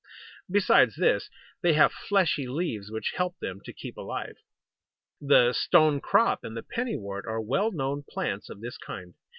Besides this, they have fleshy leaves which help them to keep alive. The Stone crop and the Penny wort are well known plants of this kind.